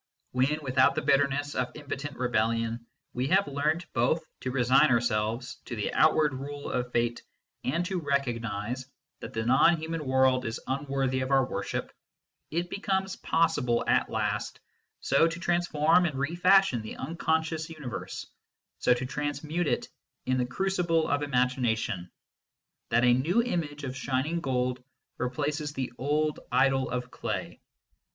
When, without the bitterness of impotent rebellion, we have learnt both to resign ourselves to the outward rule of Fate and to recognise that the non human world is unworthy of our worship, it becomes possible at last so to transform and refashion the unconscious universe, so to transmute it in the crucible of imagination, that a new image of shining gold replaces the old idol of clay.